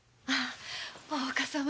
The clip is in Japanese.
大岡様